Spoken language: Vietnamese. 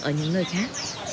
ở những nơi khác